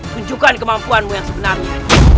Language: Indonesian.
guncukan kemampuanmu yang sebenarnya